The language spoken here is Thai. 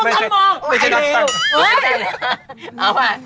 เอาล่ะ